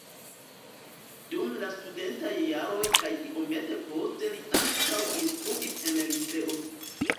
Dum la studentaj jaroj kaj iomete poste li ankaŭ instruis en liceo.